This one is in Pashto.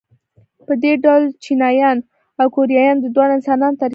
په دې ډول چینایان او کوریایان د دواړو انسانانو ترکیب دي.